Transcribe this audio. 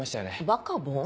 バカボン？